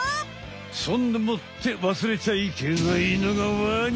そんでもってわすれちゃいけないのがワニ！